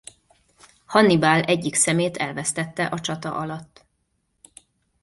Hannibál egyik szemét elvesztette a csata alatt.